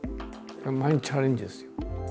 毎日チャレンジですよ。